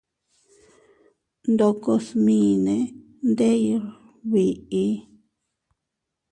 Ndoko smine ndeʼey biʼi.